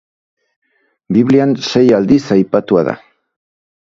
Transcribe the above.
Biblian sei aldiz aipatua da.